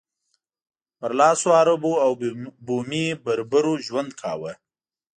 برلاسو عربو او بومي بربرو ژوند کاوه.